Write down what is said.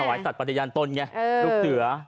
สัตว์ปฏิญาณตนไงลูกเสือ